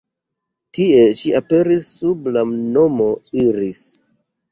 Tie ŝi aperis sub la nomo Iris.